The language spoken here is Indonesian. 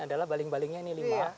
adalah baling balingnya ini lima